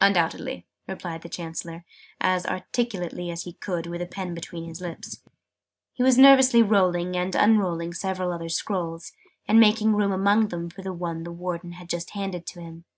"Undoubtedly!" replied the Chancellor, as articulately as he could with a pen between his lips. He was nervously rolling and unrolling several other scrolls, and making room among them for the one the Warden had just handed to him.